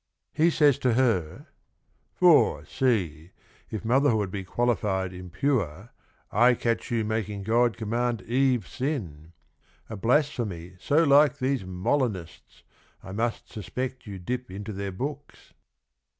He says to her: '"For see — If motherhood be qualified impure, I catch you making God command Eve sin !— A blasphemy so like these Molinists', I must suspect you dip into their books.'"